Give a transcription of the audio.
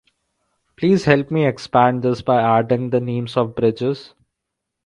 Please help expand this by adding the names of bridges.